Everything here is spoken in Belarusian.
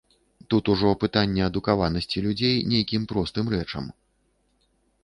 Тут ужо пытанне адукаванасці людзей нейкім простым рэчам.